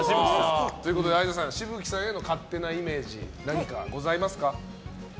相田さん、紫吹さんへの勝手なイメージ何かございますか？